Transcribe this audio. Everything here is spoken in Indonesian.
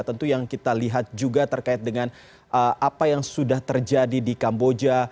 tentu yang kita lihat juga terkait dengan apa yang sudah terjadi di kamboja